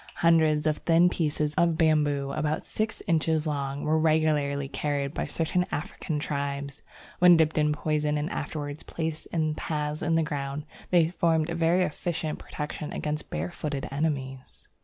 Hundreds of thin pieces of bamboo about six inches long were regularly carried by certain African tribes. When dipped in poison and afterwards placed in paths in the ground, they formed a very efficient protection against barefooted enemies.